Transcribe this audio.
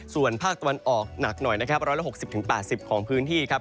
ส่วนภาคตะวันออกหนักหน่อยนะครับ๑๖๐๘๐ของพื้นที่ครับ